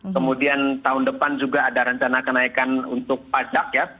kemudian tahun depan juga ada rencana kenaikan untuk pajak ya